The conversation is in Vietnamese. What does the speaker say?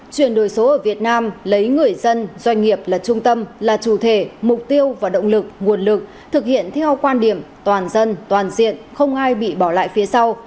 chuyển đổi số ở việt nam lấy người dân doanh nghiệp là trung tâm là chủ thể mục tiêu và động lực nguồn lực thực hiện theo quan điểm toàn dân toàn diện không ai bị bỏ lại phía sau